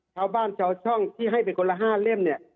ชาวบ้านชาวช่องที่ให้เป็นคนละ๕เล่มเนี่ย